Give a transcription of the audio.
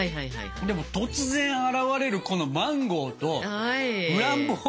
でも突然現れるこのマンゴーとフランボワーズの香り。